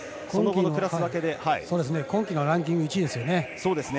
今期のランキング１位ですよね。